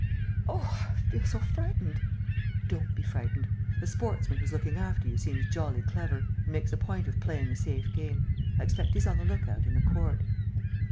"Oh, I feel so frightened!" "Don't be frightened. The sportsman who's looking after you seems jolly clever and makes a point of playing a safe game. I expect he's on the look out in the court."